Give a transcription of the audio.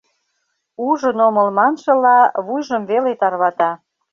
«Ужын омыл» маншыла, вуйжым веле тарвата.